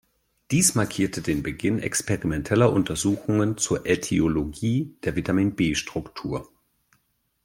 Dies markierte den Beginn experimenteller Untersuchungen zur Ätiologie der Vitamin B-Struktur.